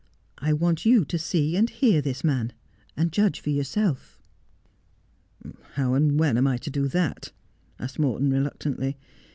I want you to see and hear this man, and judge for yourself.' ' How and when am I to do that 'I ' asked Morton reluctantly.